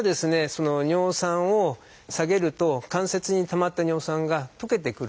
その尿酸を下げると関節にたまった尿酸が溶けてくるんで。